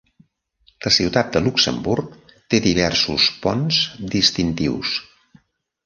La Ciutat de Luxemburg té diversos ponts distintius.